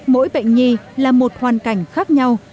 mỗi bệnh nhi là một hoàn cảnh khác nhau